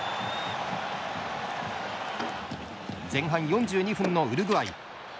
前半４２分のウルグアイ。